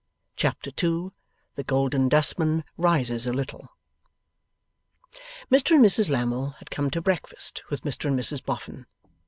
Chapter 2 THE GOLDEN DUSTMAN RISES A LITTLE Mr and Mrs Lammle had come to breakfast with Mr and Mrs Boffin.